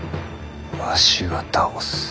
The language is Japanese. わしが倒す。